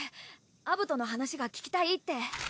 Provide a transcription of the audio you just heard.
アブトの話が聞きたいって。